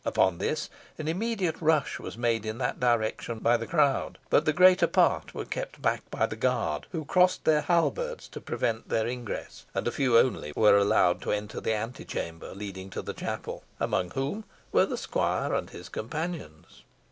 Upon this, an immediate rush was made in that direction by the crowd; but the greater part were kept back by the guard, who crossed their halberts to prevent their ingress, and a few only were allowed to enter the antechamber leading to the chapel, amongst whom were the squire and his companions.